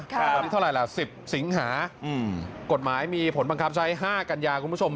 วันนี้เท่าไหร่ล่ะ๑๐สิงหากฎหมายมีผลบังคับใช้๕กัญญาคุณผู้ชม